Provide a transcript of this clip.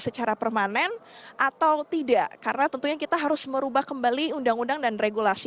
secara permanen atau tidak karena tentunya kita harus merubah kembali undang undang dan regulasi